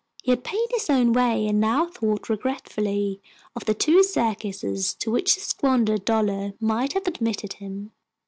He had paid his own way and now thought regretfully of the two circuses to which the squandered dollar might have admitted him.